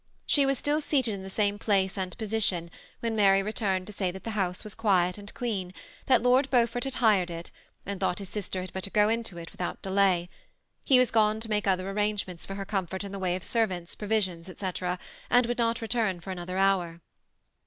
She was still seated in the same place and position when Mary returned to say that the house was quiet and dean ; that Lord Beaufort had hired it, and thought his sister had better go into it without delay. He was gone to make other arrangem^its for her comfort in the way of servants, provisions, &c, and would not return for another hour.